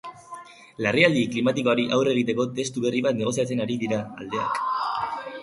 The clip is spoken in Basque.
Larrialdi klimatikoari aurre egiteko testu berri bat negoziatzen ari dira aldeak.